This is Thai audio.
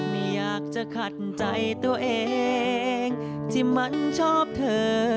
ไม่อยากจะขัดใจตัวเองที่มันชอบเธอ